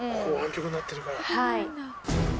はい。